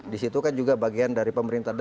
di situ kan juga bagian dari pemerintah daerah